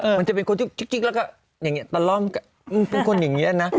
เออมันจะเป็นคนที่แล้วก็อย่างเงี้ยตะล่อมกับมึงเป็นคนอย่างเงี้ยน่ะ